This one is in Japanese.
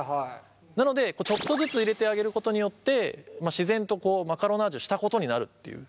なのでちょっとずつ入れてあげることによって自然とマカロナージュしたことになるっていう。